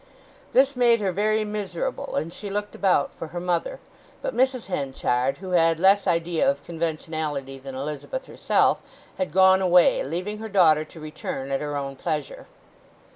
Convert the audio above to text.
This made her very miserable, and she looked about for her mother; but Mrs. Henchard, who had less idea of conventionality than Elizabeth herself, had gone away, leaving her daughter to return at her own pleasure.